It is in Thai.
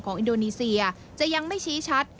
อินโดนีเซียจะยังไม่ชี้ชัด